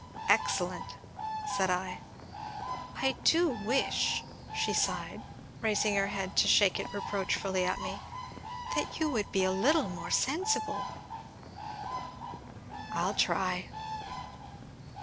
"Excellent!" said I. "I do wish," she sighed, raising her head to shake it reproachfully at me, "that you would be a little more sensible." "I'll try."